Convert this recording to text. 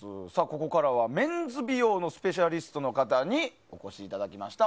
ここからはメンズ美容のスペシャリストの方にお越しいただきました。